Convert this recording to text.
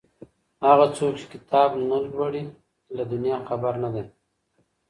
هغه څوک چي کتاب نه لوړي له دنيا خبر نه دی.